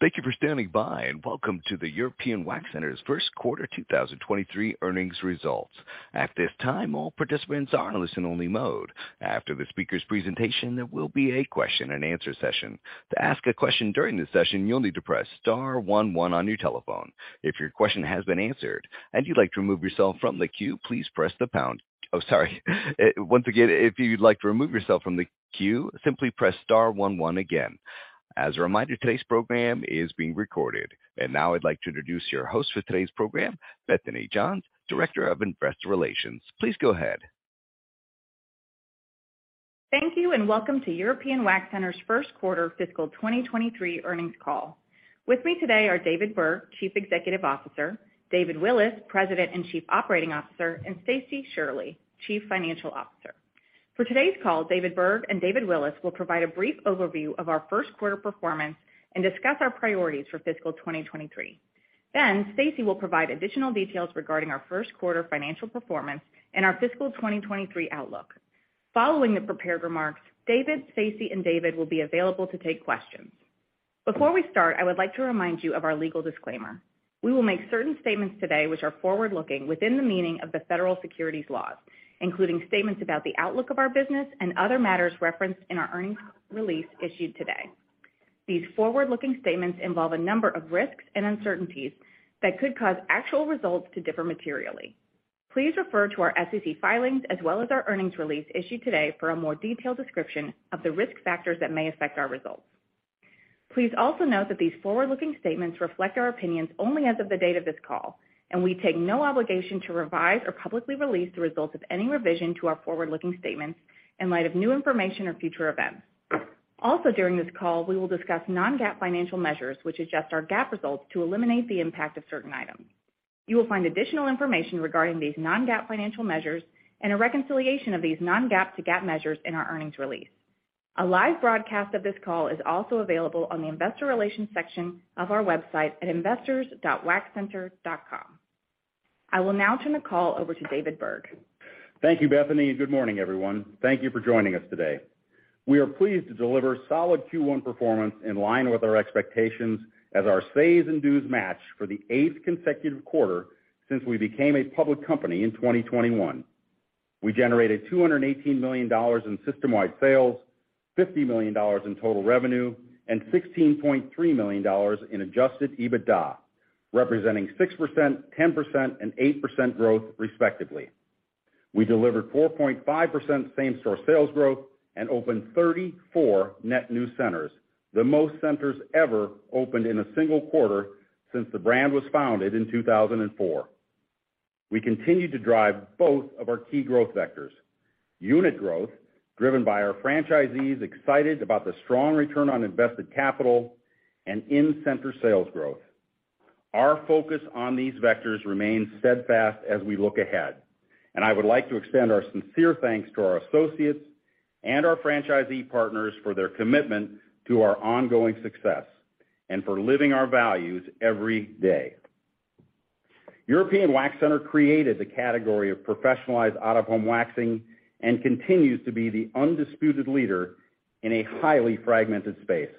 Thank you for standing by. Welcome to the European Wax Center's First Quarter 2023 Earnings Results. At this time, all participants are in listen-only mode. After the speaker's presentation, there will be a question-and-answer session. To ask a question during this session, you'll need to press star one one on your telephone. If your question has been answered and you'd like to remove yourself from the queue, please press the pound. Once again, if you'd like to remove yourself from the queue, simply press star one one again. As a reminder, today's program is being recorded. Now I'd like to introduce your host for today's program, Bethany Johns, Director of Investor Relations. Please go ahead. Thank you. Welcome to European Wax Center's first quarter fiscal 2023 earnings call. With me today are David Berg, Chief Executive Officer; David Willis, President and Chief Operating Officer; and Stacie Shirley, Chief Financial Officer. For today's call, David Berg and David Willis will provide a brief overview of our first quarter performance and discuss our priorities for fiscal 2023. Stacie will provide additional details regarding our first quarter financial performance and our fiscal 2023 outlook. Following the prepared remarks, David, Stacie, and David will be available to take questions. Before we start, I would like to remind you of our legal disclaimer. We will make certain statements today which are forward-looking within the meaning of the federal securities laws, including statements about the outlook of our business and other matters referenced in our earnings release issued today. These forward-looking statements involve a number of risks and uncertainties that could cause actual results to differ materially. Please refer to our SEC filings as well as our earnings release issued today for a more detailed description of the risk factors that may affect our results. Please also note that these forward-looking statements reflect our opinions only as of the date of this call, and we take no obligation to revise or publicly release the results of any revision to our forward-looking statements in light of new information or future events. During this call, we will discuss non-GAAP financial measures, which adjust our GAAP results to eliminate the impact of certain items. You will find additional information regarding these non-GAAP financial measures and a reconciliation of these non-GAAP to GAAP measures in our earnings release. A live broadcast of this call is also available on the investor relations section of our website at investors.waxcenter.com. I will now turn the call over to David Berg. Thank you, Bethany, and good morning, everyone. Thank you for joining us today. We are pleased to deliver solid Q1 performance in line with our expectations as our comps and AUVs match for the eighth consecutive quarter since we became a public company in 2021. We generated $218 million in system-wide sales, $50 million in total revenue, and $16.3 million in Adjusted EBITDA, representing 6%, 10%, and 8% growth respectively. We delivered 4.5% same-store sales growth and opened 34 net new centers, the most centers ever opened in a single quarter since the brand was founded in 2004. We continue to drive both of our key growth vectors. Unit growth, driven by our franchisees excited about the strong return on invested capital and in-center sales growth. Our focus on these vectors remains steadfast as we look ahead. I would like to extend our sincere thanks to our associates and our franchisee partners for their commitment to our ongoing success and for living our values every day. European Wax Center created the category of professionalized out-of-home waxing and continues to be the undisputed leader in a highly fragmented space.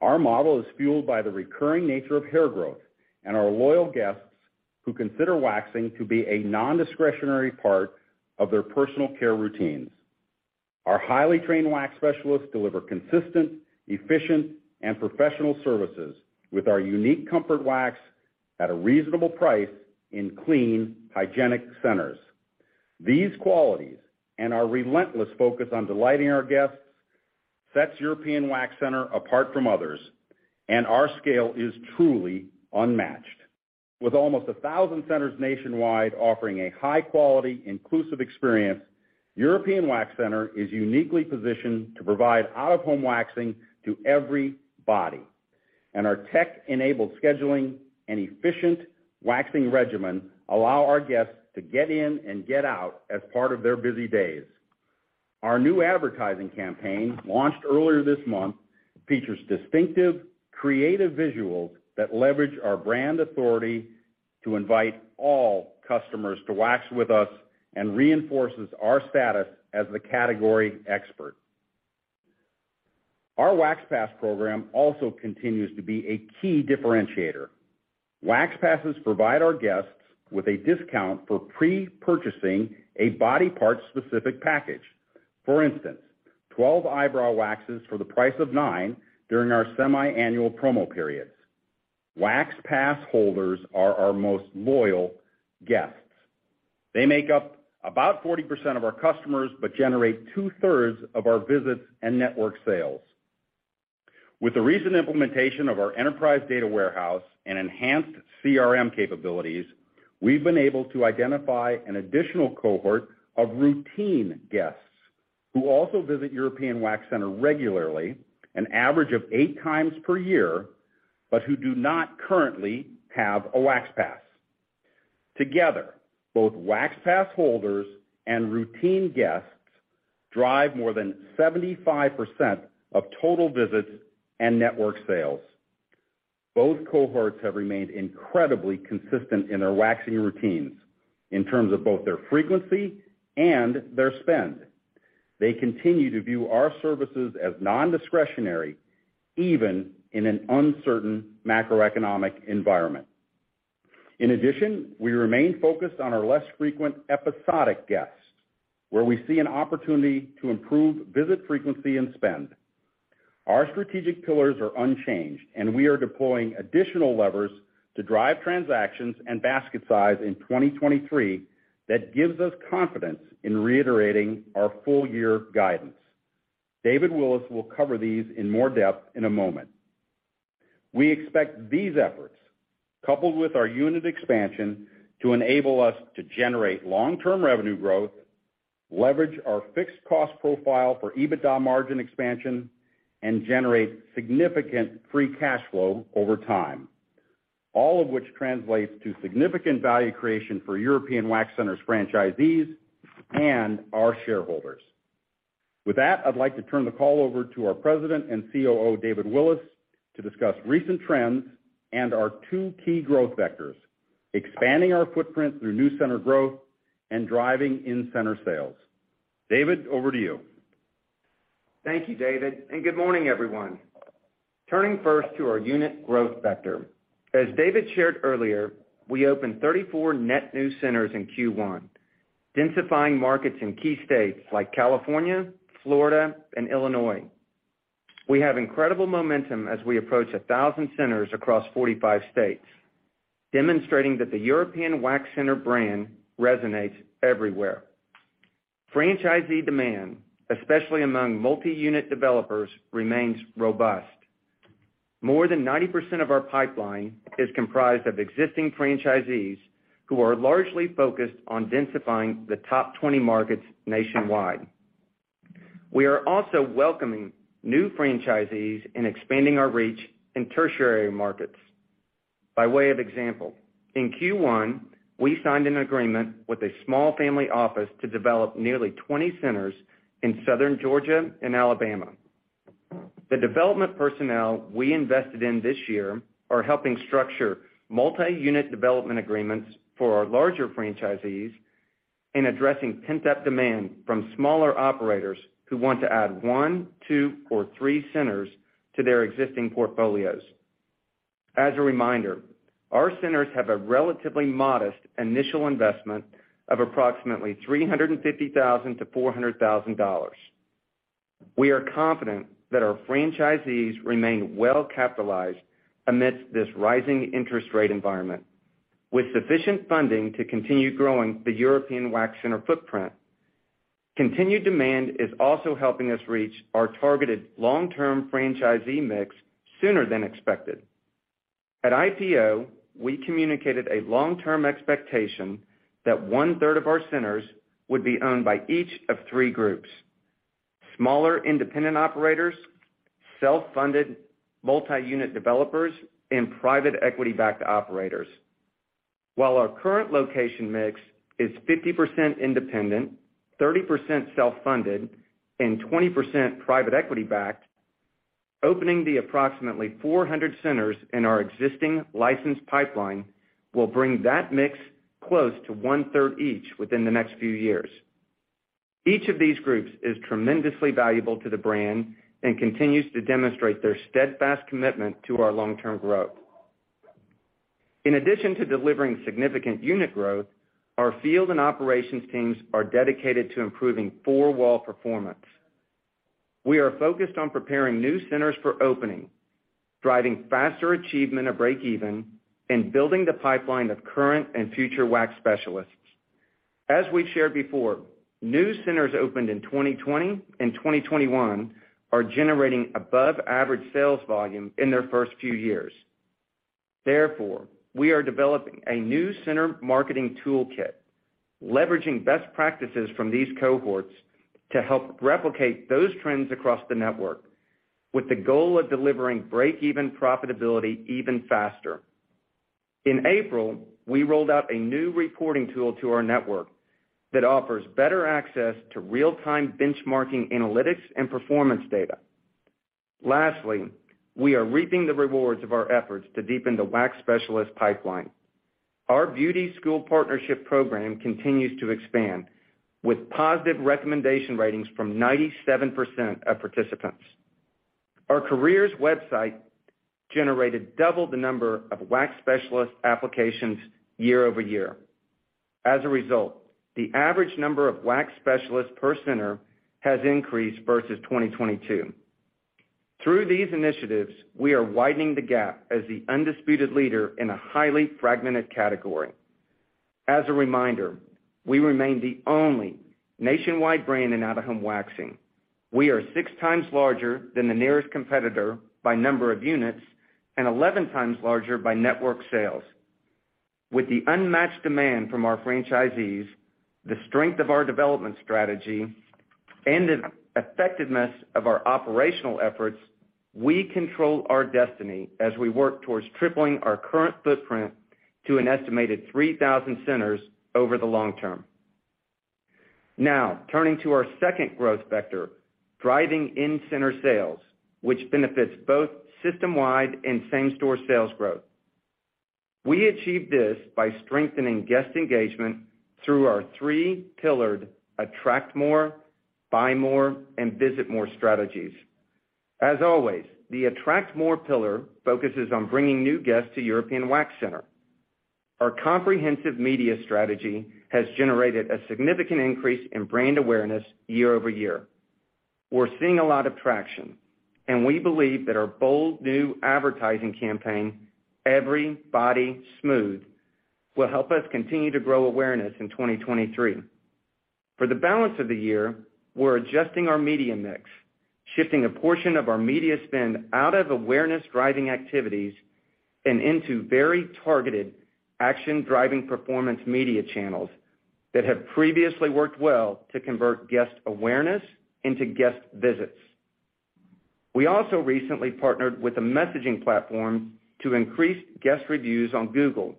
Our model is fueled by the recurring nature of hair growth and our loyal guests who consider waxing to be a non-discretionary part of their personal care routines. Our highly trained wax specialists deliver consistent, efficient, and professional services with our unique Comfort Wax at a reasonable price in clean, hygienic centers. These qualities and our relentless focus on delighting our guests sets European Wax Center apart from others. Our scale is truly unmatched. With almost 1,000 centers nationwide offering a high-quality, inclusive experience, European Wax Center is uniquely positioned to provide out-of-home waxing to every body. Our tech-enabled scheduling and efficient waxing regimen allow our guests to get in and get out as part of their busy days. Our new advertising campaign, launched earlier this month, features distinctive, creative visuals that leverage our brand authority to invite all customers to wax with us and reinforces our status as the category expert. Our Wax Pass program also continues to be a key differentiator. Wax Passes provide our guests with a discount for pre-purchasing a body part-specific package. For instance, 12 eyebrow waxes for the price of nine during our semi-annual promo periods. Wax Pass holders are our most loyal guests. They make up about 40% of our customers but generate two-thirds of our visits and network sales. With the recent implementation of our enterprise data warehouse and enhanced CRM capabilities, we've been able to identify an additional cohort of routine guests who also visit European Wax Center regularly, an average of 8x per year, but who do not currently have a Wax Pass. Together, both Wax Pass holders and routine guests drive more than 75% of total visits and network sales. Both cohorts have remained incredibly consistent in their waxing routines in terms of both their frequency and their spend. They continue to view our services as nondiscretionary, even in an uncertain macroeconomic environment. In addition, we remain focused on our less frequent episodic guests, where we see an opportunity to improve visit frequency and spend. Our strategic pillars are unchanged, and we are deploying additional levers to drive transactions and basket size in 2023 that gives us confidence in reiterating our full year guidance. David Willis will cover these in more depth in a moment. We expect these efforts, coupled with our unit expansion, to enable us to generate long-term revenue growth, leverage our fixed cost profile for EBITDA margin expansion, and generate significant free cash flow over time, all of which translates to significant value creation for European Wax Center's franchisees and our shareholders. I'd like to turn the call over to our President and COO, David Willis, to discuss recent trends and our two key growth vectors, expanding our footprint through new center growth and driving in-center sales. David, over to you. Thank you, David. Good morning, everyone. Turning first to our unit growth vector. As David shared earlier, we opened 34 net new centers in Q1, densifying markets in key states like California, Florida, and Illinois. We have incredible momentum as we approach 1,000 centers across 45 states, demonstrating that the European Wax Center brand resonates everywhere. Franchisee demand, especially among multi-unit developers, remains robust. More than 90% of our pipeline is comprised of existing franchisees who are largely focused on densifying the top 20 markets nationwide. We are also welcoming new franchisees in expanding our reach in tertiary markets. By way of example, in Q1, we signed an agreement with a small family office to develop nearly 20 centers in Southern Georgia and Alabama. The development personnel we invested in this year are helping structure multi-unit development agreements for our larger franchisees in addressing pent-up demand from smaller operators who want to add one, two, or three centers to their existing portfolios. As a reminder, our centers have a relatively modest initial investment of approximately $350,000-$400,000. We are confident that our franchisees remain well-capitalized amidst this rising interest rate environment with sufficient funding to continue growing the European Wax Center footprint. Continued demand is also helping us reach our targeted long-term franchisee mix sooner than expected. At IPO, we communicated a long-term expectation that one-third of our centers would be owned by each of three groups: smaller independent operators, self-funded multi-unit developers, and private equity-backed operators. While our current location mix is 50% independent, 30% self-funded, and 20% private equity backed, opening the approximately 400 centers in our existing licensed pipeline will bring that mix close to 1/3 each within the next few years. Each of these groups is tremendously valuable to the brand and continues to demonstrate their steadfast commitment to our long-term growth. In addition to delivering significant unit growth, our field and operations teams are dedicated to improving four wall performance. We are focused on preparing new centers for opening, driving faster achievement of breakeven, and building the pipeline of current and future wax specialists. As we've shared before, new centers opened in 2020 and 2021 are generating above average sales volume in their first few years. We are developing a new center marketing toolkit, leveraging best practices from these cohorts to help replicate those trends across the network with the goal of delivering breakeven profitability even faster. In April, we rolled out a new reporting tool to our network that offers better access to real-time benchmarking, analytics, and performance data. We are reaping the rewards of our efforts to deepen the wax specialist pipeline. Our beauty school partnership program continues to expand with positive recommendation ratings from 97% of participants. Our careers website generated double the number of wax specialist applications year-over-year. The average number of wax specialists per center has increased versus 2022. Through these initiatives, we are widening the gap as the undisputed leader in a highly fragmented category. We remain the only nationwide brand in out-of-home waxing. We are six times larger than the nearest competitor by number of units, and 11 times larger by network sales. With the unmatched demand from our franchisees, the strength of our development strategy, and the effectiveness of our operational efforts, we control our destiny as we work towards tripling our current footprint to an estimated 3,000 centers over the long term. Now, turning to our second growth vector, driving in-center sales, which benefits both system-wide and same-store sales growth. We achieved this by strengthening guest engagement through our three-pillared attract more, buy more, and visit more strategies. As always, the attract more pillar focuses on bringing new guests to European Wax Center. Our comprehensive media strategy has generated a significant increase in brand awareness year-over-year. We're seeing a lot of traction. We believe that our bold new advertising campaign, Every Body Smooth, will help us continue to grow awareness in 2023. For the balance of the year, we're adjusting our media mix, shifting a portion of our media spend out of awareness-driving activities and into very targeted action-driving performance media channels that have previously worked well to convert guest awareness into guest visits. We also recently partnered with a messaging platform to increase guest reviews on Google.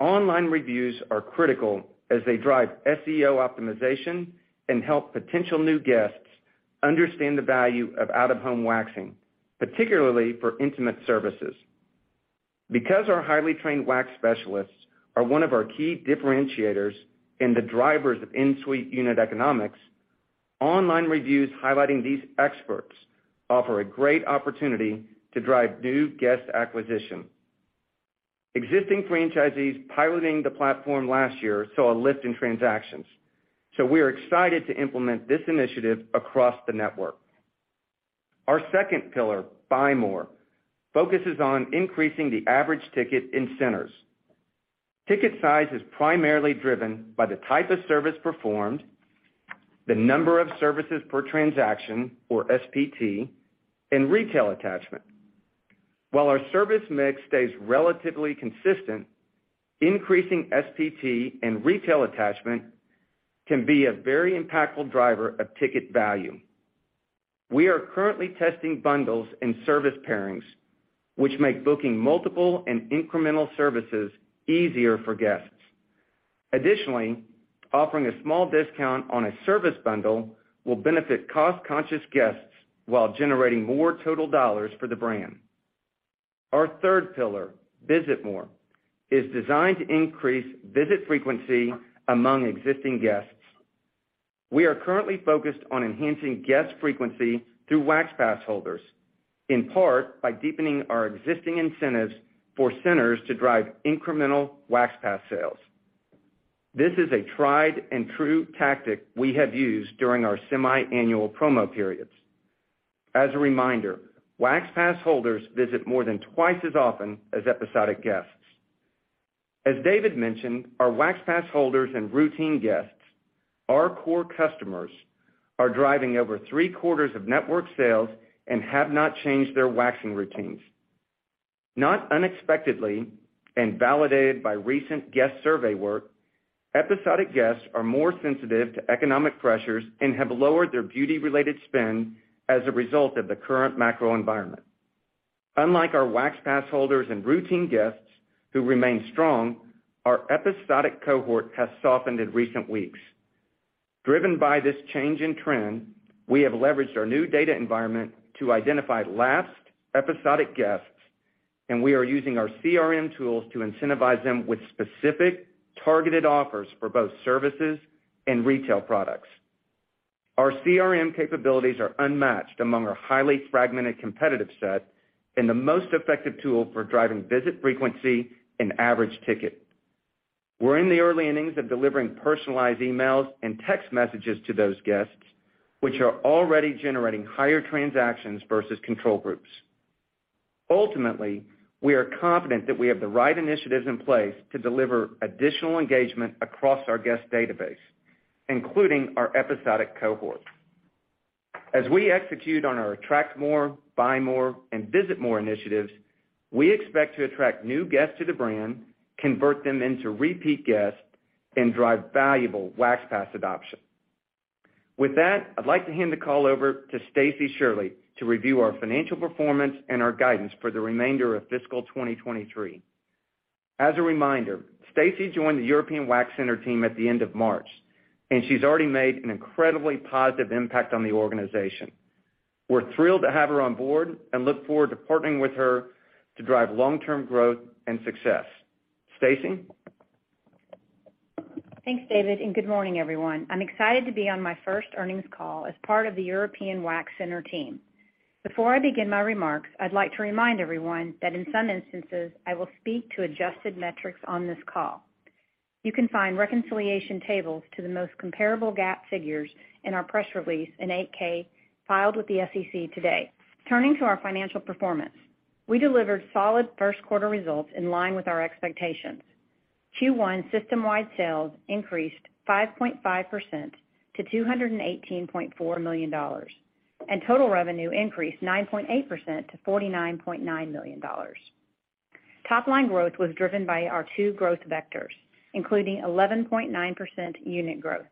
Online reviews are critical as they drive SEO optimization and help potential new guests understand the value of out-of-home waxing, particularly for intimate services. Because our highly trained wax specialists are one of our key differentiators and the drivers of in-suite unit economics, online reviews highlighting these experts offer a great opportunity to drive new guest acquisition. Existing franchisees piloting the platform last year saw a lift in transactions, we are excited to implement this initiative across the network. Our second pillar, buy more, focuses on increasing the average ticket in centers. Ticket size is primarily driven by the type of service performed, the number of services per transaction, or SPT, and retail attachment. Our service mix stays relatively consistent, increasing SPT and retail attachment can be a very impactful driver of ticket value. We are currently testing bundles and service pairings which make booking multiple and incremental services easier for guests. Offering a small discount on a service bundle will benefit cost-conscious guests while generating more total dollars for the brand. Our third pillar, visit more, is designed to increase visit frequency among existing guests. We are currently focused on enhancing guest frequency through Wax Pass holders, in part by deepening our existing incentives for centers to drive incremental Wax Pass sales. This is a tried-and-true tactic we have used during our semi-annual promo periods. As a reminder, Wax Pass holders visit more than twice as often as episodic guests. As David mentioned, our Wax Pass holders and routine guests, our core customers, are driving over three-quarters of network sales and have not changed their waxing routines. Not unexpectedly, and validated by recent guest survey work, episodic guests are more sensitive to economic pressures and have lowered their beauty-related spend as a result of the current macro environment. Unlike our Wax Pass holders and routine guests, who remain strong, our episodic cohort has softened in recent weeks. Driven by this change in trend, we have leveraged our new data environment to identify last episodic guests, and we are using our CRM tools to incentivize them with specific targeted offers for both services and retail products. Our CRM capabilities are unmatched among our highly fragmented competitive set and the most effective tool for driving visit frequency and average ticket. We're in the early innings of delivering personalized emails and text messages to those guests, which are already generating higher transactions versus control groups. Ultimately, we are confident that we have the right initiatives in place to deliver additional engagement across our guest database, including our episodic cohort. As we execute on our attract more, buy more, and visit more initiatives, we expect to attract new guests to the brand, convert them into repeat guests, and drive valuable Wax Pass adoption. With that, I'd like to hand the call over to Stacie Shirley to review our financial performance and our guidance for the remainder of fiscal 2023. As a reminder, Stacie joined the European Wax Center team at the end of March, and she's already made an incredibly positive impact on the organization. We're thrilled to have her on board and look forward to partnering with her to drive long-term growth and success. Stacie? Thanks, David, and good morning, everyone. I'm excited to be on my first earnings call as part of the European Wax Center team. Before I begin my remarks, I'd like to remind everyone that in some instances, I will speak to adjusted metrics on this call. You can find reconciliation tables to the most comparable GAAP figures in our press release and 8-K filed with the SEC today. Turning to our financial performance, we delivered solid first quarter results in line with our expectations. Q1 system-wide sales increased 5.5% to $218.4 million, and total revenue increased 9.8% to $49.9 million. Top line growth was driven by our two growth vectors, including 11.9% unit growth.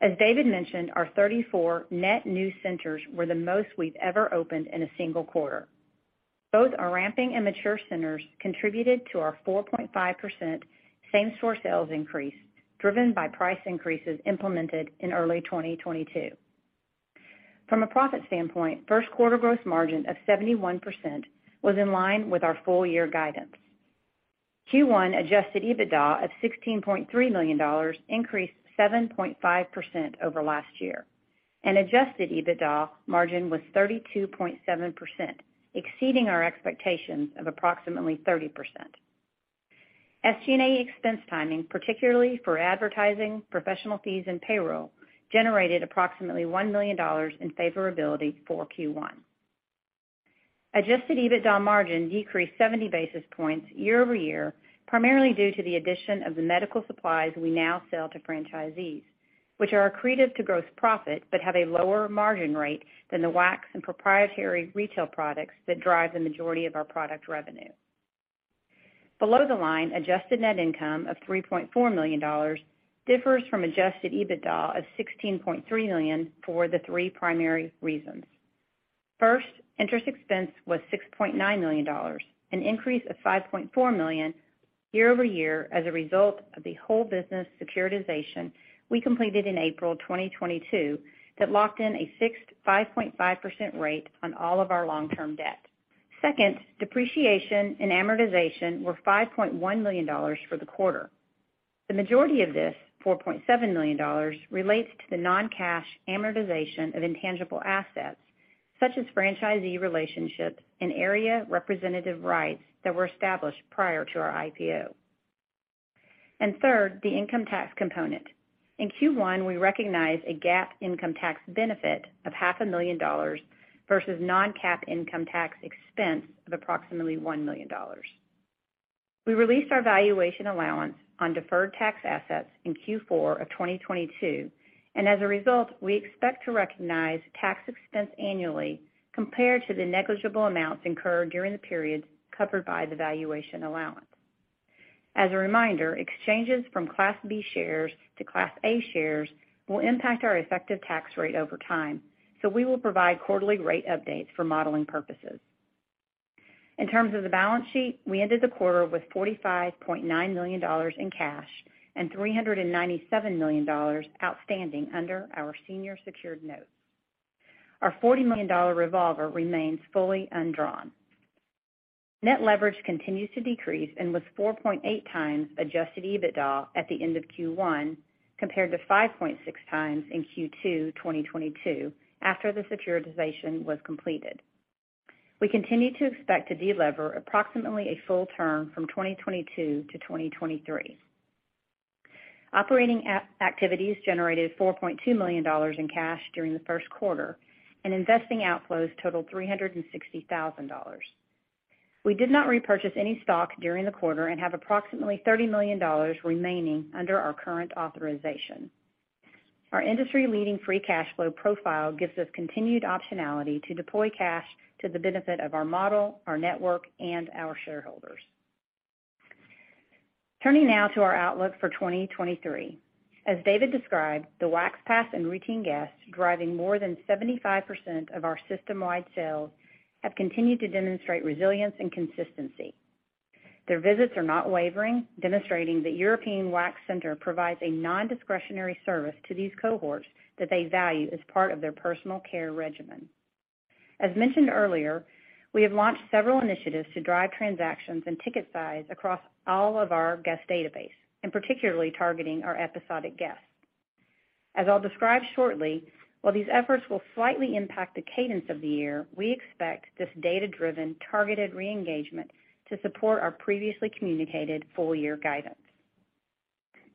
As David mentioned, our 34 net new centers were the most we've ever opened in a single quarter. Both our ramping and mature centers contributed to our 4.5% same-store sales increase, driven by price increases implemented in early 2022. From a profit standpoint, first quarter gross margin of 71% was in line with our full-year guidance. Q1 Adjusted EBITDA of $16.3 million increased 7.5% over last year, and Adjusted EBITDA margin was 32.7%, exceeding our expectations of approximately 30%. SG&A expense timing, particularly for advertising, professional fees, and payroll, generated approximately $1 million in favorability for Q1. Adjusted EBITDA margin decreased 70 basis points year-over-year, primarily due to the addition of the medical supplies we now sell to franchisees, which are accretive to gross profit, but have a lower margin rate than the wax and proprietary retail products that drive the majority of our product revenue. Below the line, adjusted net income of $3.4 million differs from Adjusted EBITDA of $16.3 million for the three primary reasons. First, interest expense was $6.9 million, an increase of $5.4 million year-over-year as a result of the whole business securitization we completed in April 2022 that locked in a fixed 5.5% rate on all of our long-term debt. Second, depreciation and amortization were $5.1 million for the quarter. The majority of this, $4.7 million, relates to the non-cash amortization of intangible assets, such as franchisee relationships and area representative rights that were established prior to our IPO. Third, the income tax component. In Q1, we recognized a GAAP income tax benefit of half a million dollars versus non-GAAP income tax expense of approximately $1 million. We released our valuation allowance on deferred tax assets in Q4 2022. As a result, we expect to recognize tax expense annually compared to the negligible amounts incurred during the periods covered by the valuation allowance. As a reminder, exchanges from Class B shares to Class A shares will impact our effective tax rate over time. We will provide quarterly rate updates for modeling purposes. In terms of the balance sheet, we ended the quarter with $45.9 million in cash and $397 million outstanding under our senior secured notes. Our $40 million revolver remains fully undrawn. Net leverage continues to decrease and was 4.8x Adjusted EBITDA at the end of Q1 compared to 5.6x in Q2 2022 after the securitization was completed. We continue to expect to delever approximately a full term from 2022 to 2023. Operating activities generated $4.2 million in cash during the first quarter. Investing outflows totaled $360,000. We did not repurchase any stock during the quarter and have approximately $30 million remaining under our current authorization. Our industry-leading free cash flow profile gives us continued optionality to deploy cash to the benefit of our model, our network, and our shareholders. Turning now to our outlook for 2023. As David described, the Wax Pass and routine guests driving more than 75% of our system-wide sales have continued to demonstrate resilience and consistency. Their visits are not wavering, demonstrating that European Wax Center provides a non-discretionary service to these cohorts that they value as part of their personal care regimen. As mentioned earlier, we have launched several initiatives to drive transactions and ticket size across all of our guest database, and particularly targeting our episodic guests. As I'll describe shortly, while these efforts will slightly impact the cadence of the year, we expect this data-driven, targeted re-engagement to support our previously communicated full year guidance.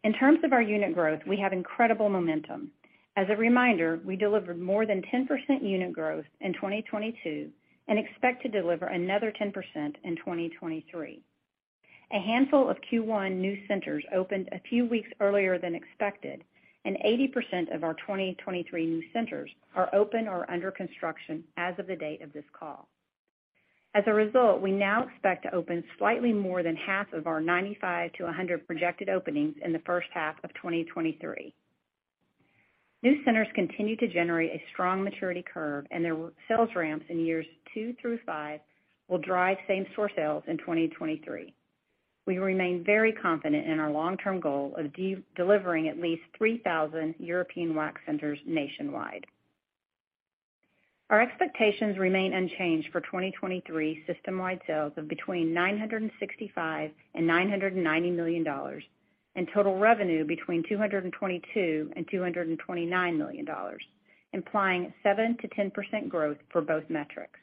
In terms of our unit growth, we have incredible momentum. As a reminder, we delivered more than 10% unit growth in 2022 and expect to deliver another 10% in 2023. A handful of Q1 new centers opened a few weeks earlier than expected, and 80% of our 2023 new centers are open or under construction as of the date of this call. As a result, we now expect to open slightly more than half of our 95-100 projected openings in the first half of 2023. New centers continue to generate a strong maturity curve, and their sales ramps in years two through five will drive same-store sales in 2023. We remain very confident in our long-term goal of delivering at least 3,000 European Wax Centers nationwide. Our expectations remain unchanged for 2023 system-wide sales of between $965 million and $990 million, and total revenue between $222 million and $229 million, implying 7%-10% growth for both metrics.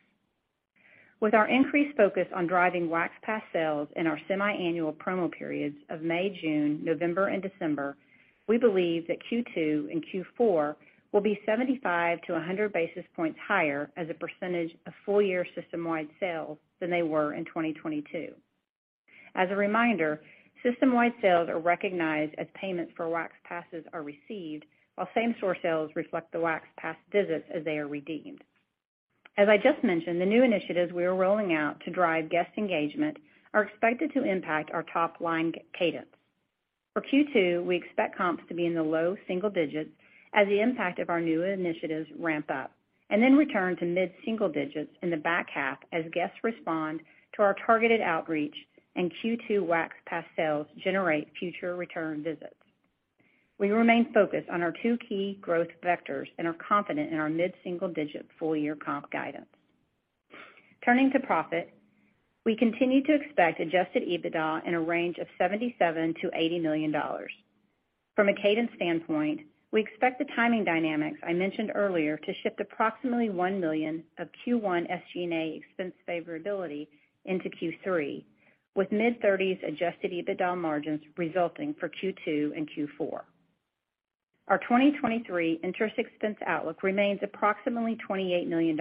With our increased focus on driving Wax Pass sales in our semi-annual promo periods of May, June, November, and December, we believe that Q2 and Q4 will be 75 to 100 basis points higher as a percentage of full-year system-wide sales than they were in 2022. As a reminder, system-wide sales are recognized as payments for Wax Passes are received while same-store sales reflect the Wax Pass visits as they are redeemed. As I just mentioned, the new initiatives we are rolling out to drive guest engagement are expected to impact our top-line cadence. For Q2, we expect comps to be in the low single digits as the impact of our new initiatives ramp up, and then return to mid-single digits in the back half as guests respond to our targeted outreach and Q2 Wax Pass sales generate future return visits. We remain focused on our two key growth vectors and are confident in our mid-single digit full year comp guidance. Turning to profit, we continue to expect Adjusted EBITDA in a range of $77 million-$80 million. From a cadence standpoint, we expect the timing dynamics I mentioned earlier to shift approximately $1 million of Q1 SG&A expense favorability into Q3, with mid-30s Adjusted EBITDA margins resulting for Q2 and Q4. Our 2023 interest expense outlook remains approximately $28 million,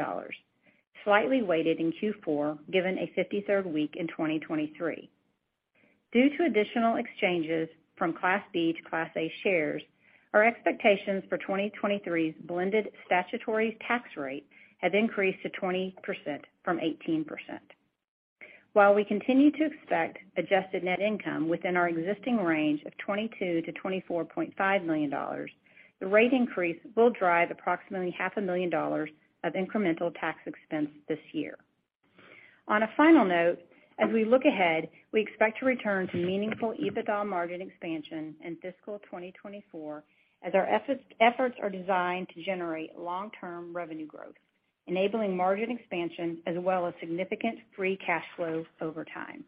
slightly weighted in Q4, given a 53rd week in 2023. Due to additional exchanges from Class B to Class A shares, our expectations for 2023's blended statutory tax rate have increased to 20% from 18%. While we continue to expect adjusted net income within our existing range of $22 million-$24.5 million, the rate increase will drive approximately half a million dollars of incremental tax expense this year. A final note, as we look ahead, we expect to return to meaningful EBITDA margin expansion in fiscal 2024 as our efforts are designed to generate long-term revenue growth, enabling margin expansion as well as significant free cash flow over time.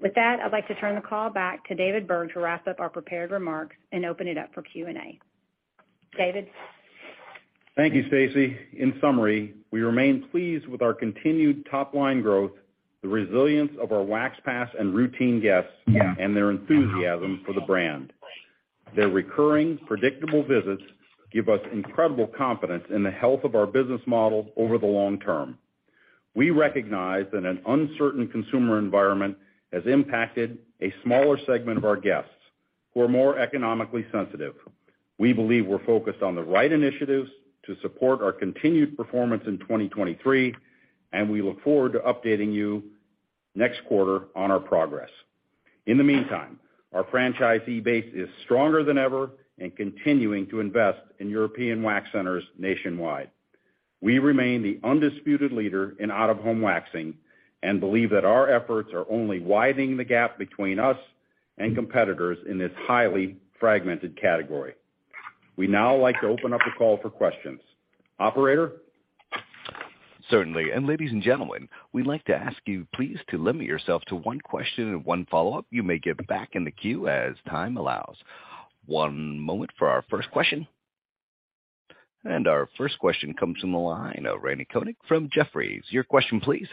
With that, I'd like to turn the call back to David Berg to wrap up our prepared remarks and open it up for Q&A. David? Thank you, Stacie. In summary, we remain pleased with our continued top-line growth, the resilience of our Wax Pass and routine guests, and their enthusiasm for the brand. Their recurring, predictable visits give us incredible confidence in the health of our business model over the long term. We recognize that an uncertain consumer environment has impacted a smaller segment of our guests, who are more economically sensitive. We believe we're focused on the right initiatives to support our continued performance in 2023. We look forward to updating you next quarter on our progress. In the meantime, our franchisee base is stronger than ever and continuing to invest in European Wax Center nationwide. We remain the undisputed leader in out-of-home waxing and believe that our efforts are only widening the gap between us and competitors in this highly fragmented category. We'd now like to open up the call for questions. Operator? Certainly. Ladies and gentlemen, we'd like to ask you please to limit yourself to one question and one follow-up. You may get back in the queue as time allows. One moment for our first question. Our first question comes from the line of Randal Konik from Jefferies. Your question please.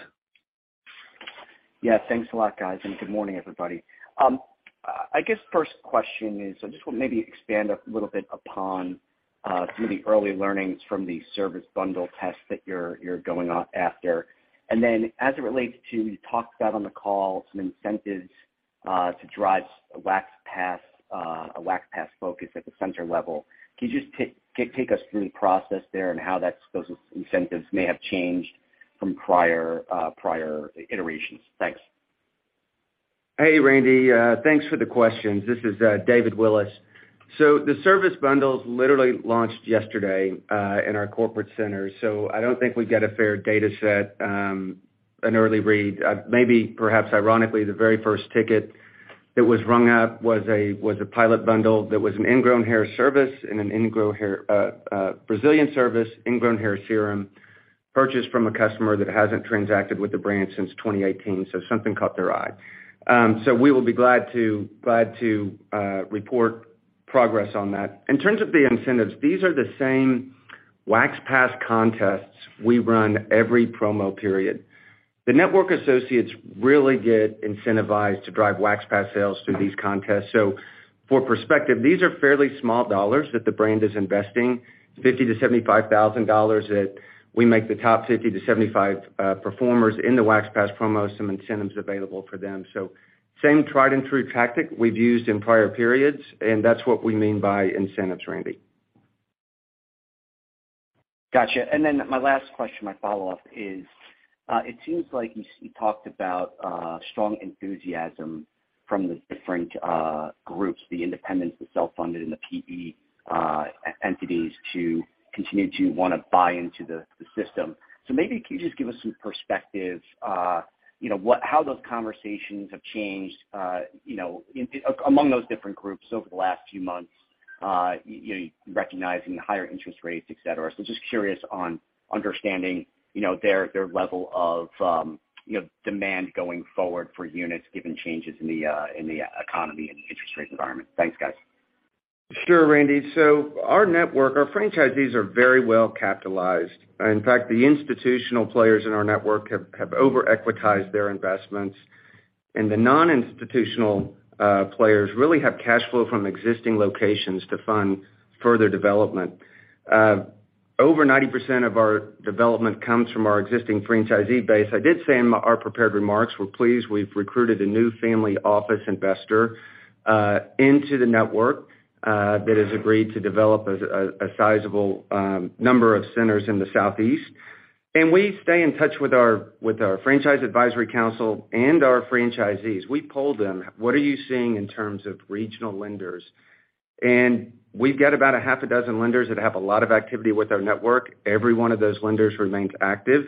Thanks a lot, guys, and good morning, everybody. I guess first question is, I just want to maybe expand a little bit upon some of the early learnings from the service bundle test that you're going after. As it relates to, you talked about on the call some incentives to drive a Wax Pass focus at the center level. Can you just take us through the process there and how those incentives may have changed from prior iterations? Thanks. Hey, Randy, thanks for the questions. This is David Willis. The service bundles literally launched yesterday in our corporate centers. I don't think we get a fair data set, an early read. Maybe perhaps ironically, the very first ticket that was rung up was a pilot bundle that was an ingrown hair service and an ingrown hair Brazilian service, Ingrown Hair Serum purchased from a customer that hasn't transacted with the brand since 2018, so something caught their eye. We will be glad to report progress on that. In terms of the incentives, these are the same Wax Pass contests we run every promo period. The network associates really get incentivized to drive Wax Pass sales through these contests. For perspective, these are fairly small dollars that the brand is investing, $50,000-$75,000 that we make the top 50-75 performers in the Wax Pass promo, some incentives available for them. Same tried and true tactic we've used in prior periods, and that's what we mean by incentives, Randy. Gotcha. My last question, my follow-up is, it seems like you talked about strong enthusiasm from the different groups, the independents, the self-funded, and the PE entities to continue to wanna buy into the system. Maybe can you just give us some perspective, you know, what, how those conversations have changed, you know, in, among those different groups over the last few months, you know, recognizing the higher interest rates, et cetera. Just curious on understanding, you know, their level of demand going forward for units given changes in the economy and the interest rate environment. Thanks, guys. Sure, Randy. Our network, our franchisees are very well capitalized. In fact, the institutional players in our network have over-equitized their investments. The non-institutional players really have cash flow from existing locations to fund further development. Over 90% of our development comes from our existing franchisee base. I did say in our prepared remarks, we're pleased we've recruited a new family office investor into the network that has agreed to develop a sizable number of centers in the Southeast. We stay in touch with our franchise advisory council and our franchisees. We polled them, "What are you seeing in terms of regional lenders?" We've got about a half a dozen lenders that have a lot of activity with our network. Every one of those lenders remains active.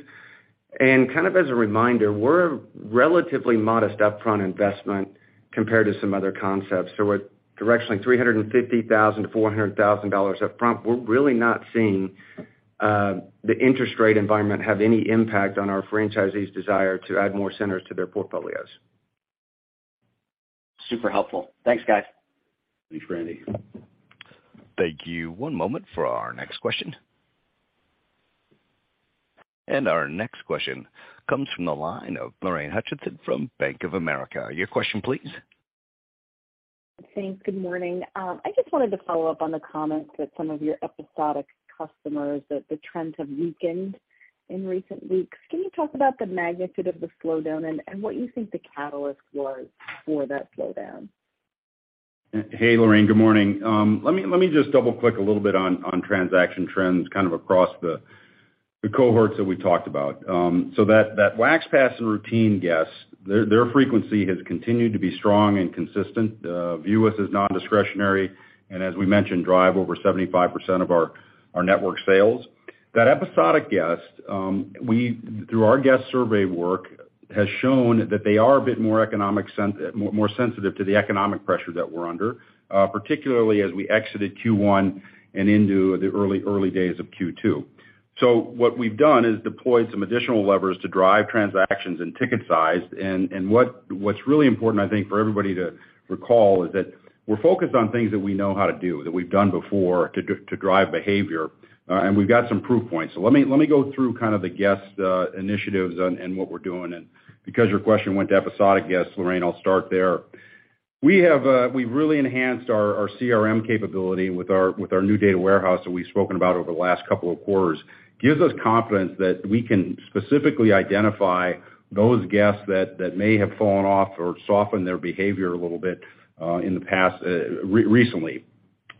Kind of as a reminder, we're relatively modest upfront investment compared to some other concepts. We're directionally $350,000-$400,000 upfront. We're really not seeing the interest rate environment have any impact on our franchisees desire to add more centers to their portfolios. Super helpful. Thanks, guys. Thanks, Randy. Thank you. One moment for our next question. Our next question comes from the line of Lorraine Hutchinson from Bank of America. Your question, please. Thanks. Good morning. I just wanted to follow up on the comments that some of your episodic customers, that the trends have weakened in recent weeks. Can you talk about the magnitude of the slowdown and what you think the catalyst was for that slowdown? Hey, Lorraine. Good morning. Let me just double-click a little bit on transaction trends kind of across the cohorts that we talked about. That Wax Pass and routine guests, their frequency has continued to be strong and consistent, view us as nondiscretionary, and as we mentioned, drive over 75% of our network sales. That episodic guest, we, through our guest survey work, has shown that they are a bit more economic more sensitive to the economic pressure that we're under, particularly as we exited Q1 and into the early days of Q2. What we've done is deployed some additional levers to drive transactions and ticket size. What's really important, I think, for everybody to recall is that we're focused on things that we know how to do, that we've done before to drive behavior, and we've got some proof points. Let me go through kind of the guest initiatives and what we're doing. Because your question went to episodic guests, Lorraine, I'll start there. We've really enhanced our CRM capability with our new data warehouse that we've spoken about over the last couple of quarters. Gives us confidence that we can specifically identify those guests that may have fallen off or softened their behavior a little bit in the past recently.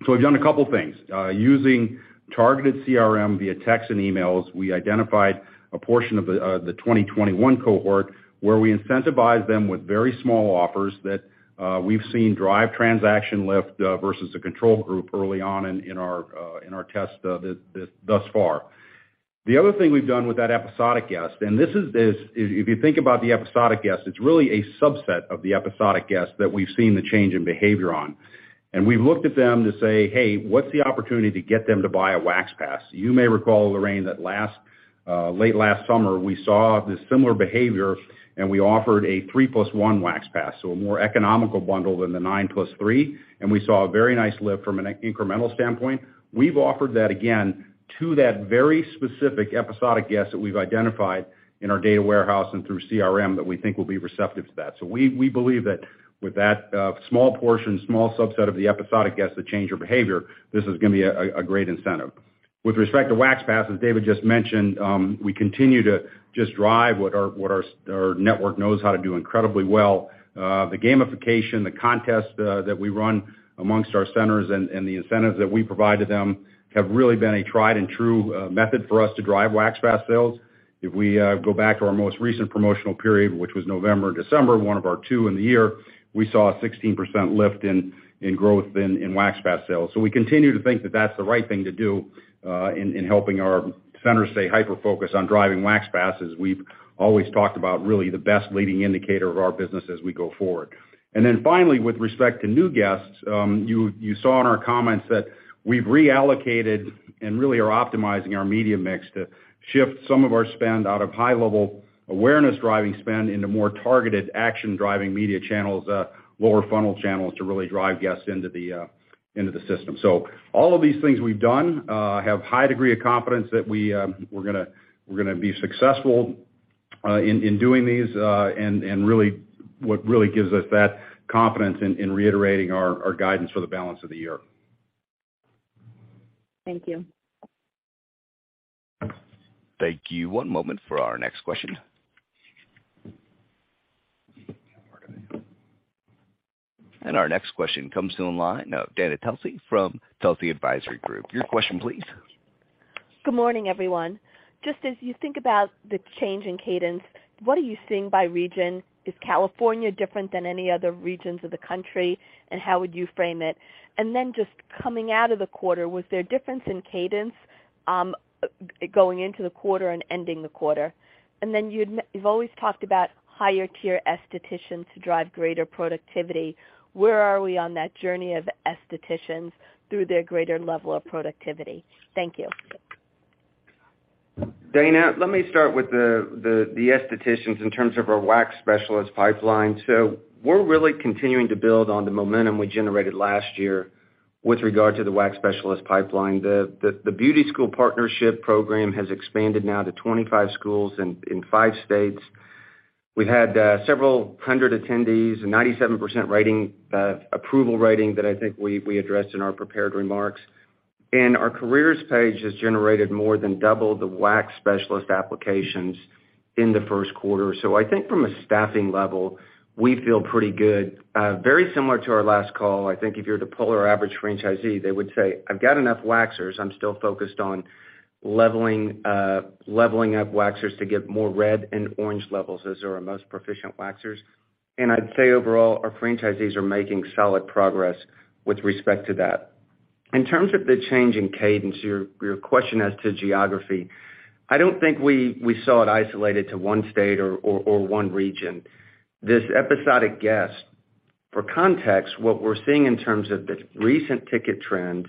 We've done a couple things. Using targeted CRM via text and emails, we identified a portion of the 2021 cohort where we incentivize them with very small offers that we've seen drive transaction lift versus the control group early on in our test thus far. The other thing we've done with that episodic guest, and this is. If you think about the episodic guest, it's really a subset of the episodic guest that we've seen the change in behavior on. We've looked at them to say, "Hey, what's the opportunity to get them to buy a Wax Pass?" You may recall, Lorraine, that last late last summer, we saw this similar behavior, and we offered a 3+1 Wax Pass, so a more economical bundle than the 9+3, and we saw a very nice lift from an incremental standpoint. We've offered that again to that very specific episodic guest that we've identified in our data warehouse and through CRM that we think will be receptive to that. We believe that with that small portion, small subset of the episodic guests that change their behavior, this is gonna be a great incentive. With respect to Wax Pass, as David just mentioned, we continue to just drive what our network knows how to do incredibly well. The gamification, the contest that we run amongst our centers and the incentives that we provide to them have really been a tried and true method for us to drive Wax Pass sales. If we go back to our most recent promotional period, which was November, December, one of our two in the year, we saw a 16% lift in growth in Wax Pass sales. We continue to think that that's the right thing to do in helping our centers stay hyper-focused on driving Wax Pass, as we've always talked about really the best leading indicator of our business as we go forward. Finally, with respect to new guests, you saw in our comments that we've reallocated and really are optimizing our media mix to shift some of our spend out of high-level awareness driving spend into more targeted action driving media channels, lower funnel channels to really drive guests into the system. All of these things we've done, have high degree of confidence that we're gonna be successful, in doing these, and really, what really gives us that confidence in reiterating our guidance for the balance of the year. Thank you. Thank you. One moment for our next question. Our next question comes to the line of Dana Telsey from Telsey Advisory Group. Your question, please. Good morning, everyone. Just as you think about the change in cadence, what are you seeing by region? Is California different than any other regions of the country, and how would you frame it? Just coming out of the quarter, was there a difference in cadence going into the quarter and ending the quarter? You've always talked about higher tier aestheticians to drive greater productivity. Where are we on that journey of aestheticians through their greater level of productivity? Thank you. Dana, let me start with the aestheticians in terms of our wax specialist pipeline. We're really continuing to build on the momentum we generated last year with regard to the wax specialist pipeline. The beauty school partnership program has expanded now to 25 schools in five states. We had several hundred attendees and 97% rating, approval rating that I think we addressed in our prepared remarks. Our careers page has generated more than double the wax specialist applications in the first quarter. I think from a staffing level, we feel pretty good. Very similar to our last call. I think if you were to poll our average franchisee, they would say, "I've got enough waxers. I'm still focused on leveling up waxers to get more red and orange levels as our most proficient waxers. I'd say overall, our franchisees are making solid progress with respect to that. In terms of the change in cadence, your question as to geography, I don't think we saw it isolated to one state or one region. This episodic guest, for context, what we're seeing in terms of the recent ticket trends,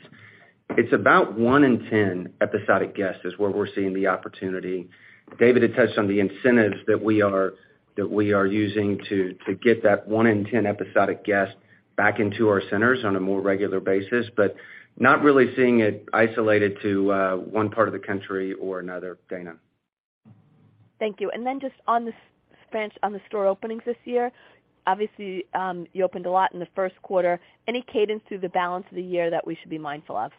it's about one in 10 episodic guests is where we're seeing the opportunity. David had touched on the incentives that we are using to get that one in 10 episodic guest back into our centers on a more regular basis. Not really seeing it isolated to one part of the country or another, Dana. Thank you. Just on the spend on the store openings this year, obviously, you opened a lot in the first quarter. Any cadence through the balance of the year that we should be mindful of?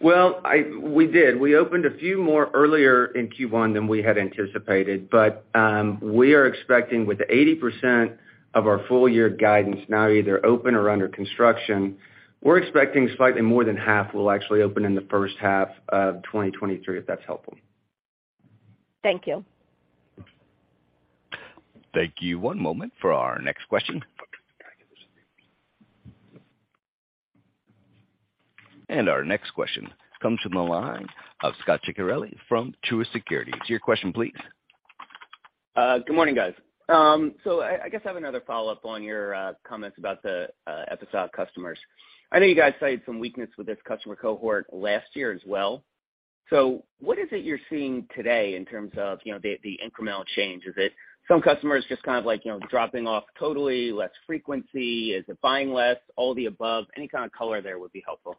Well, we did. We opened a few more earlier in Q1 than we had anticipated. We are expecting with 80% of our full year guidance now either open or under construction, we're expecting slightly more than half will actually open in the first half of 2023, if that's helpful. Thank you. Thank you. One moment for our next question. Our next question comes from the line of Scot Ciccarelli from Truist Securities. Your question please. Good morning, guys. I guess I have another follow-up on your comments about the episodic customers. I know you guys cited some weakness with this customer cohort last year as well. What is it you're seeing today in terms of, you know, the incremental change? Is it some customers just kind of like, you know, dropping off totally, less frequency? Is it buying less? All the above. Any kind of color there would be helpful.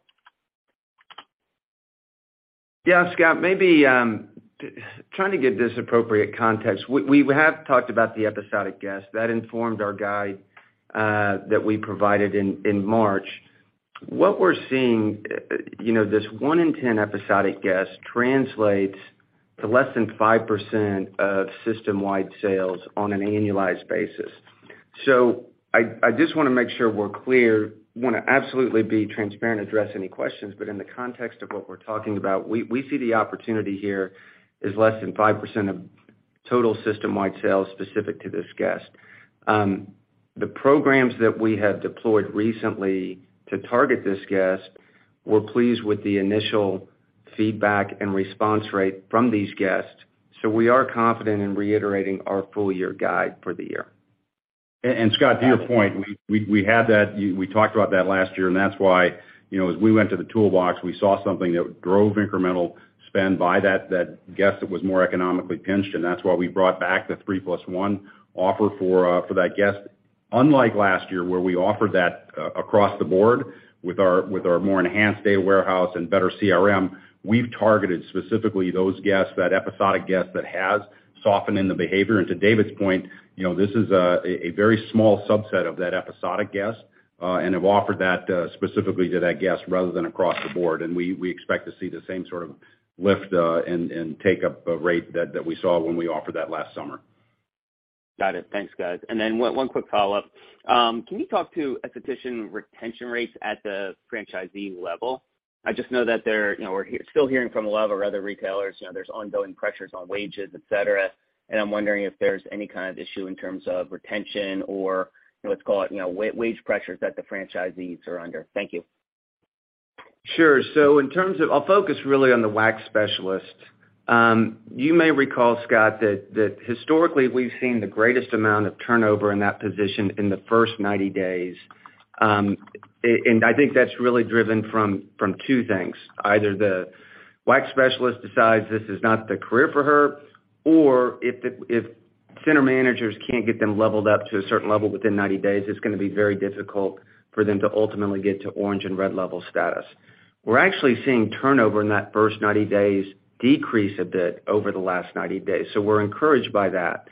Scott, maybe, trying to give this appropriate context, we have talked about the episodic guest. That informed our guide that we provided in March. What we're seeing, you know, this one in 10 episodic guest translates to less than 5% of system-wide sales on an annualized basis. I just wanna make sure we're clear, wanna absolutely be transparent, address any questions, but in the context of what we're talking about, we see the opportunity here as less than 5% of total system-wide sales specific to this guest. The programs that we have deployed recently to target this guest, we're pleased with the initial feedback and response rate from these guests. We are confident in reiterating our full year guide for the year. Scot, to your point, we had that. We talked about that last year, and that's why, you know, as we went to the toolbox, we saw something that drove incremental spend by that guest that was more economically pinched, and that's why we brought back the 3+1 offer for that guest. Unlike last year, where we offered that across the board, with our more enhanced data warehouse and better CRM, we've targeted specifically those guests, that episodic guest that has softened in the behavior. To David's point, you know, this is a very small subset of that episodic guest, and have offered that specifically to that guest rather than across the board. We expect to see the same sort of lift, and take up, rate that we saw when we offered that last summer. Got it. Thanks, guys. One quick follow-up. Can you talk to aesthetician retention rates at the franchisee level? I just know that they're, you know, we're still hearing from a lot of our other retailers, you know, there's ongoing pressures on wages, et cetera. I'm wondering if there's any kind of issue in terms of retention or, you know, let's call it, you know, wage pressures that the franchisees are under. Thank you. Sure. I'll focus really on the wax specialist. You may recall, Scot, that historically we've seen the greatest amount of turnover in that position in the first 90 days. And I think that's really driven from two things. Either the wax specialist decides this is not the career for her, or if center managers can't get them leveled up to a certain level within 90 days, it's gonna be very difficult for them to ultimately get to orange and red level status. We're actually seeing turnover in that first 90 days decrease a bit over the last 90 days. We're encouraged by that.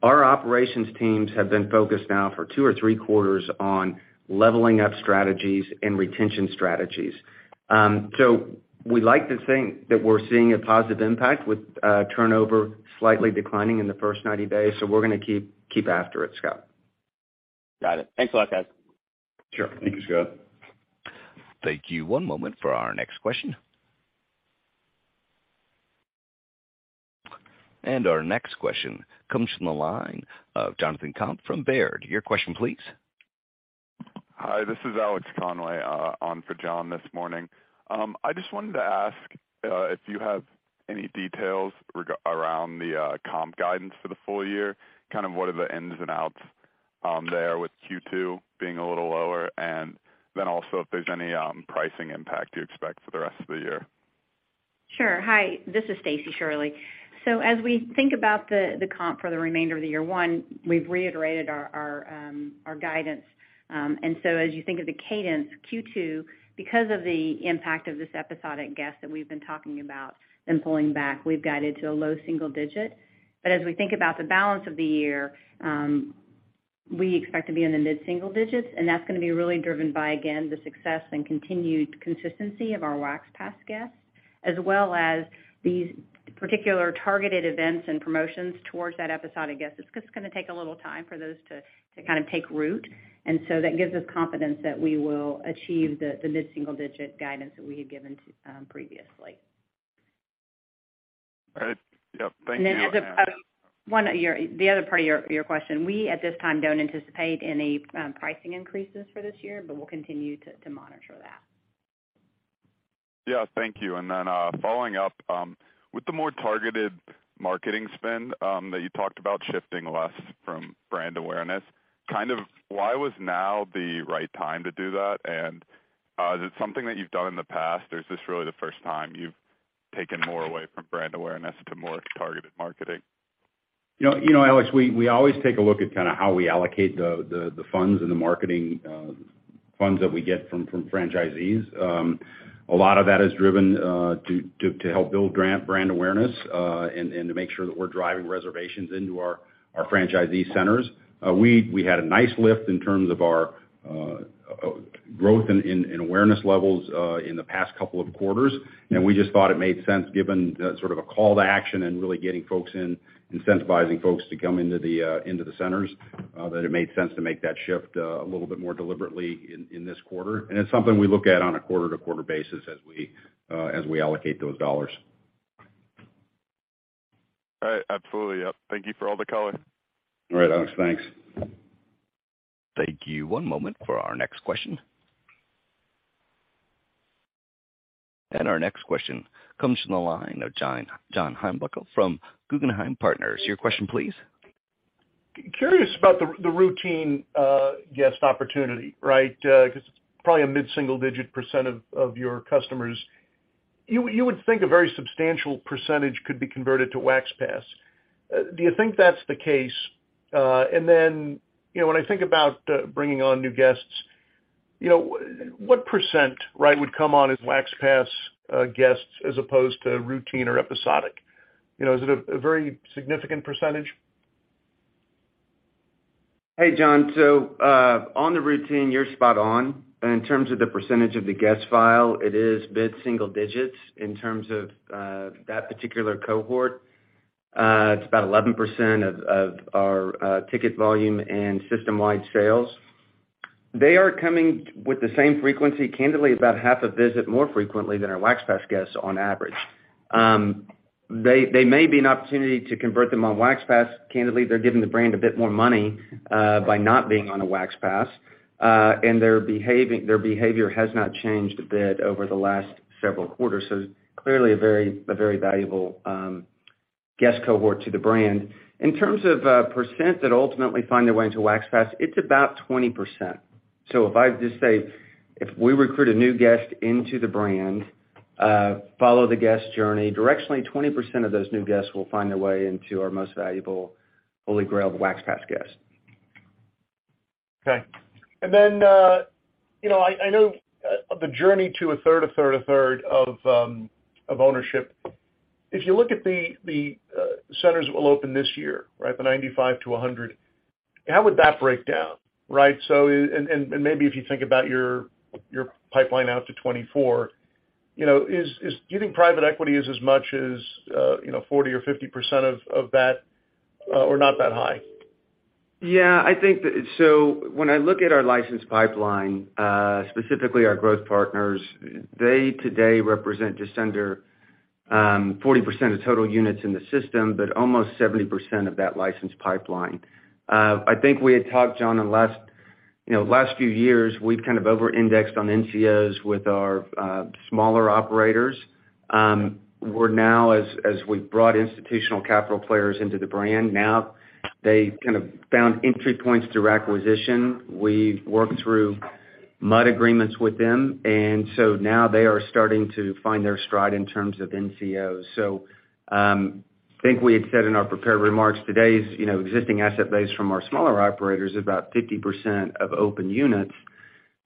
Our operations teams have been focused now for two or three quarters on leveling up strategies and retention strategies. We like to think that we're seeing a positive impact with turnover slightly declining in the first 90 days. We're gonna keep after it, Scot. Got it. Thanks a lot, guys. Sure. Thank you, Scot. Thank you. One moment for our next question. Our next question comes from the line of Jonathan Komp from Baird. Your question please. Hi, this is Alex Conway, on for John this morning. I just wanted to ask if you have any details around the comp guidance for the full year, kind of what are the ins and outs there with Q2 being a little lower, and then also if there's any pricing impact you expect for the rest of the year? Sure. Hi, this is Stacie Shirley. As we think about the comp for the remainder of the year, one, we've reiterated our guidance. As you think of the cadence, Q2, because of the impact of this episodic guest that we've been talking about and pulling back, we've guided to a low single digit. As we think about the balance of the year, we expect to be in the mid single digits, and that's gonna be really driven by, again, the success and continued consistency of our Wax Pass guests, as well as these particular targeted events and promotions towards that episodic guest. It's just gonna take a little time for those to kind of take root. That gives us confidence that we will achieve the mid-single digit guidance that we had given to previously. All right. Yep. Thank you. As the other part of your question, we at this time don't anticipate any pricing increases for this year, but we'll continue to monitor that. Yeah. Thank you. Following up, with the more targeted marketing spend, that you talked about shifting less from brand awareness, kind of why was now the right time to do that? Is it something that you've done in the past, or is this really the first time you've taken more away from brand awareness to more targeted marketing? You know, Alex, we always take a look at kinda how we allocate the funds and the marketing funds that we get from franchisees. A lot of that is driven to help build brand awareness and to make sure that we're driving reservations into our franchisee centers. We had a nice lift in terms of our growth in awareness levels in the past couple of quarters. We just thought it made sense given sort of a call to action and really getting folks in, incentivizing folks to come into the centers, that it made sense to make that shift a little bit more deliberately in this quarter. It's something we look at on a quarter-to-quarter basis as we, as we allocate those dollars. All right. Absolutely. Yep. Thank you for all the color. All right, Alex. Thanks. Thank you. One moment for our next question. Our next question comes from the line of John Heinbockel from Guggenheim Securities. Your question please. Curious about the routine guest opportunity, right? Because it's probably a mid-single digit percent of your customers. You would think a very substantial % could be converted to Wax Pass. Do you think that's the case? Then, you know, when I think about bringing on new guests, you know, what percent, right, would come on as Wax Pass guests as opposed to routine or episodic? You know, is it a very significant percentage? John. On the routine, you're spot on. In terms of the percentage of the guest file, it is mid-single digits in terms of that particular cohort. It's about 11% of our ticket volume and system-wide sales. They are coming with the same frequency, candidly, about half a visit more frequently than our Wax Pass guests on average. They, there may be an opportunity to convert them on Wax Pass. Candidly, they're giving the brand a bit more money by not being on a Wax Pass, and their behavior has not changed a bit over the last several quarters. Clearly a very, very valuable guest cohort to the brand. In terms of percent that ultimately find their way into Wax Pass, it's about 20%. If I just say, if we recruit a new guest into the brand, follow the guest journey, directionally 20% of those new guests will find their way into our most valuable holy grail of Wax Pass guests. Okay. You know, I know the journey to a third of ownership. If you look at the centers that will open this year, right, the 95-100, how would that break down, right? And maybe if you think about your pipeline out to 2024, you know, is Do you think private equity is as much as, you know, 40% or 50% of that, or not that high? Yeah, I think when I look at our licensed pipeline, specifically our growth partners, they today represent just under 40% of total units in the system, but almost 70% of that licensed pipeline. I think we had talked, John, in the last, you know, last few years, we've kind of over-indexed on NCOs with our smaller operators. We're now as we've brought institutional capital players into the brand, now they kind of found entry points through acquisition. We've worked through MUD agreements with them, now they are starting to find their stride in terms of NCOs. I think we had said in our prepared remarks, today's, you know, existing asset base from our smaller operators is about 50% of open units.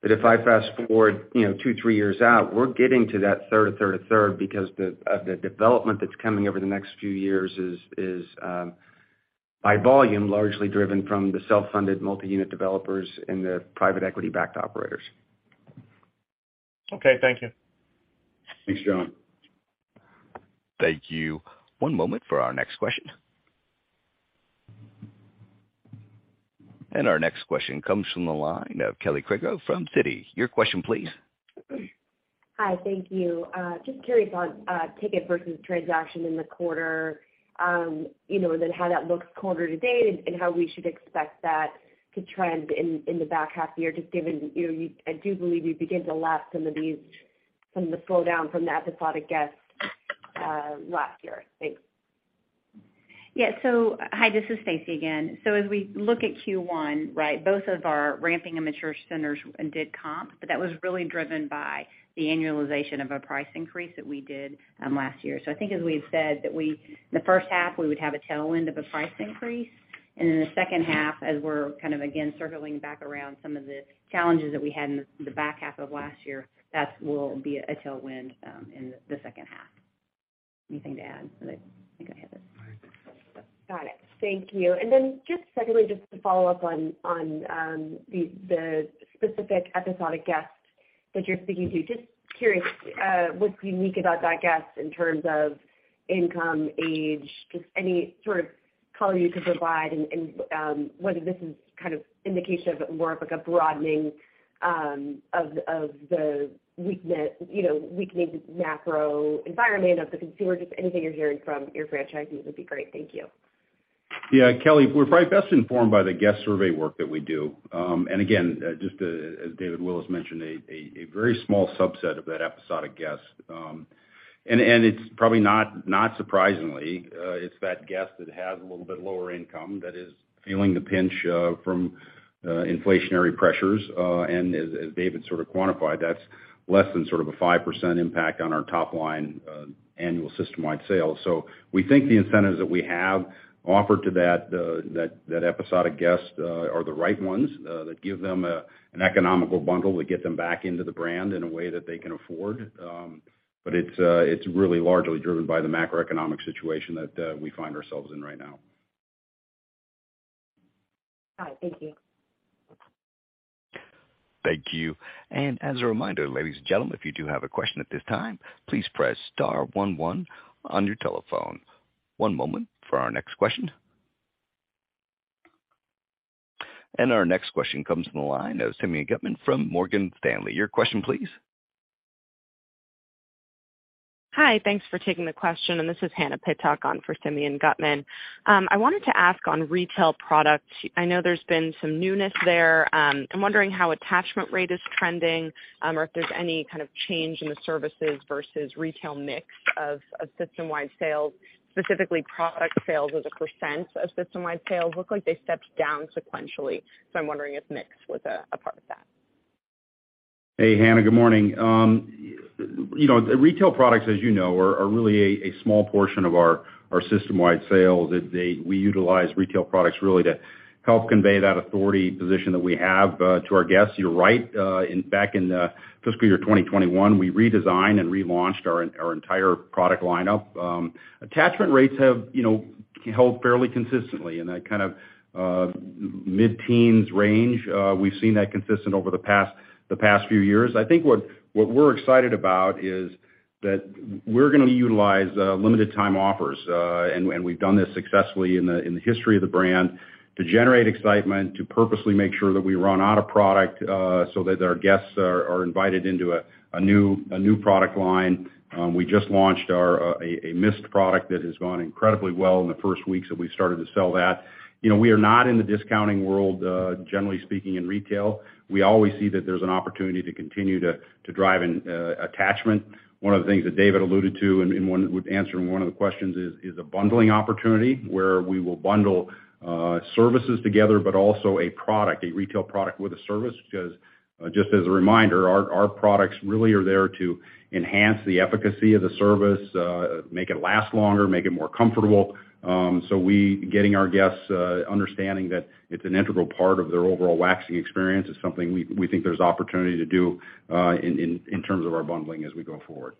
If I fast-forward, you know, two, three years out, we're getting to that third, a third, a third because the development that's coming over the next few years is by volume, largely driven from the self-funded multi-unit developers and the private equity-backed operators. Okay, thank you. Thanks, John. Thank you. One moment for our next question. Our next question comes from the line of Kelly Crago from Citi. Your question, please. Hi. Thank you. Just curious on ticket versus transaction in the quarter, you know, and then how that looks quarter to date and how we should expect that to trend in the back half of the year, just given, you know, I do believe you begin to lap some of the slowdown from the episodic guests last year? Thanks. Hi, this is Stacie again. As we look at Q1, right, both of our ramping and mature centers did comp, but that was really driven by the annualization of a price increase that we did last year. I think as we had said that the first half, we would have a tailwind of a price increase, and in the second half, as we're kind of again circling back around some of the challenges that we had in the back half of last year, that will be a tailwind in the second half. Anything to add? I think I have it. No, I think that's it. So. Got it. Thank you. Just secondly, just to follow up on the specific episodic guest that you're speaking to. Just curious, what's unique about that guest in terms of income, age, just any sort of- color you can provide and, whether this is kind of indication of more of like a broadening, of the weakness, you know, weakening macro environment of the consumer, just anything you're hearing from your franchisees would be great. Thank you. Yeah, Kelly, we're probably best informed by the guest survey work that we do. And again, just as David Willis mentioned, a very small subset of that episodic guest. And it's probably not surprisingly, it's that guest that has a little bit lower income that is feeling the pinch from inflationary pressures. And as David sort of quantified, that's less than sort of a 5% impact on our top line, annual system-wide sales. We think the incentives that we have offered to that episodic guest are the right ones that give them an economical bundle to get them back into the brand in a way that they can afford. It's really largely driven by the macroeconomic situation that we find ourselves in right now. All right. Thank you. Thank you. As a reminder, ladies and gentlemen, if you do have a question at this time, please press star one one on your telephone. One moment for our next question. Our next question comes from the line of Simeon Gutman from Morgan Stanley. Your question, please. Hi. Thanks for taking the question. This is Hannah Pittock on for Simeon Gutman. I wanted to ask on retail products. I know there's been some newness there. I'm wondering how attachment rate is trending, or if there's any kind of change in the services versus retail mix of system-wide sales, specifically product sales as a % of system-wide sales. Look like they stepped down sequentially, so I'm wondering if mix was a part of that. Hey, Hannah. Good morning. You know, retail products, as you know, are really a small portion of our system-wide sales. We utilize retail products really to help convey that authority position that we have to our guests. You're right, in back in fiscal year 2021, we redesigned and relaunched our entire product lineup. Attachment rates have, you know, held fairly consistently in that kind of mid-teens range. We've seen that consistent over the past few years. I think what we're excited about is that we're gonna utilize limited time offers and we've done this successfully in the history of the brand to generate excitement, to purposely make sure that we run out of product so that our guests are invited into a new product line. We just launched our a mist product that has gone incredibly well in the first weeks that we started to sell that. You know, we are not in the discounting world, generally speaking, in retail. We always see that there's an opportunity to continue to drive an attachment. One of the things that David alluded to and one would answer in one of the questions is a bundling opportunity where we will bundle services together, but also a product, a retail product with a service. Just as a reminder, our products really are there to enhance the efficacy of the service, make it last longer, make it more comfortable. So we getting our guests understanding that it's an integral part of their overall waxing experience is something we think there's opportunity to do in terms of our bundling as we go forward.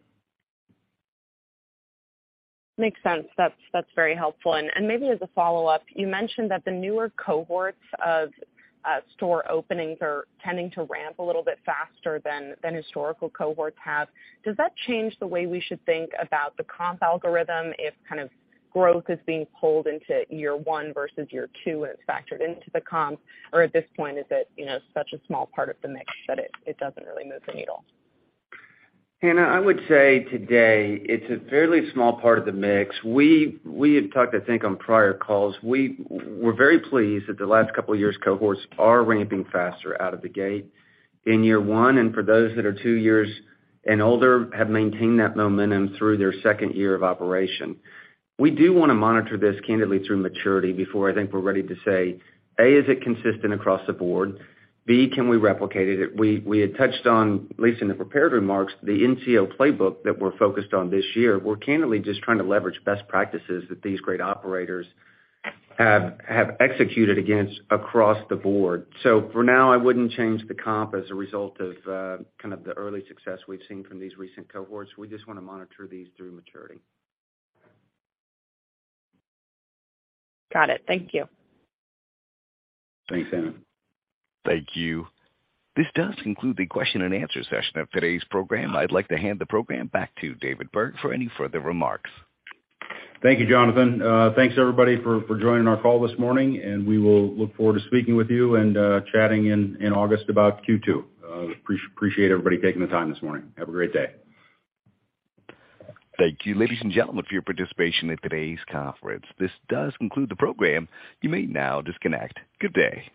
Makes sense. That's very helpful. Maybe as a follow-up, you mentioned that the newer cohorts of store openings are tending to ramp a little bit faster than historical cohorts have. Does that change the way we should think about the comp algorithm if kind of growth is being pulled into year one versus year two, and it's factored into the comp? At this point, is it, you know, such a small part of the mix that it doesn't really move the needle? Hannah, I would say today it's a fairly small part of the mix. We had talked, I think, on prior calls. We're very pleased that the last couple of years cohorts are ramping faster out of the gate in year one, and for those that are two years and older, have maintained that momentum through their second year of operation. We do wanna monitor this candidly through maturity before I think we're ready to say, A, is it consistent across the board? B, can we replicate it? We had touched on, at least in the prepared remarks, the NCO playbook that we're focused on this year. We're candidly just trying to leverage best practices that these great operators have executed against across the board. For now, I wouldn't change the comp as a result of kind of the early success we've seen from these recent cohorts. We just wanna monitor these through maturity. Got it. Thank you. Thanks, Hannah. Thank you. This does conclude the question and answer session of today's program. I'd like to hand the program back to David Berg for any further remarks. Thank you, Jonathan. Thanks everybody for joining our call this morning. We will look forward to speaking with you and chatting in August about Q2. Appreciate everybody taking the time this morning. Have a great day. Thank you, ladies and gentlemen, for your participation in today's conference. This does conclude the program. You may now disconnect. Good day.